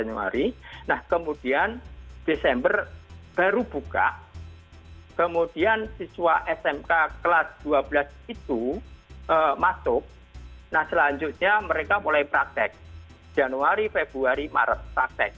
nah kemudian desember baru buka kemudian siswa smk kelas dua belas itu masuk nah selanjutnya mereka mulai praktek januari februari maret praktek kemudian april sudah mulai ujian